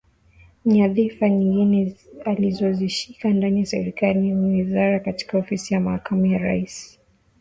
Nyadhifa nyingine alizoshika ndani ya Serikali ni Waziri katika Ofisi ya Makamu wa Rais